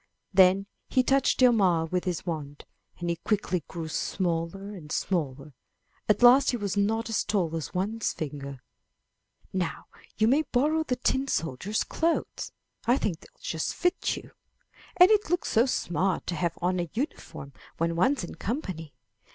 Then he touched Hjalmar with his wand, and he quickly grew smaller and smaller; at last he was not as tall as one's finger. "Now you may borrow the tin soldier's clothes; I think they'll just fit you, and it looks so smart to have on a uniform when one's in company."